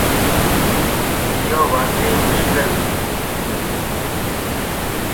ايو واقعي مشڪلَ